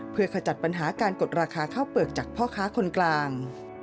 เพื่อขจัดปัญหาการกดราคาข้าวเปลือกจากพ่อค้าคนกลาง